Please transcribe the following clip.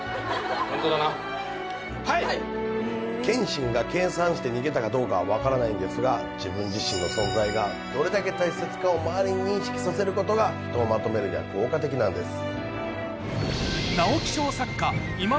謙信が計算して逃げたかどうかは分からないんですが自分自身の存在がどれだけ大切か周りに認識させることが人をまとめるには効果的なんです。